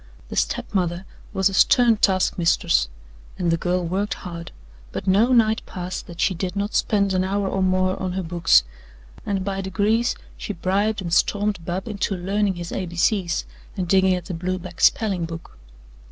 The step mother was a stern taskmistress, and the girl worked hard, but no night passed that she did not spend an hour or more on her books, and by degrees she bribed and stormed Bub into learning his A, B, C's and digging at a blue back spelling book.